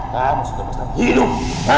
kamu sudah bisa hidup